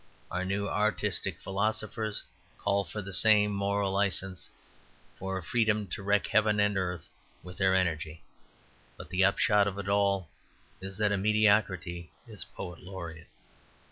Our new artistic philosophers call for the same moral license, for a freedom to wreck heaven and earth with their energy; but the upshot of it all is that a mediocrity is Poet Laureate.